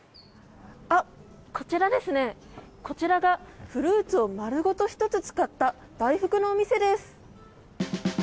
こちらがフルーツを丸ごと１つ使った大福のお店です。